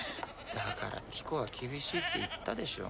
だからティコは厳しいって言ったでしょ。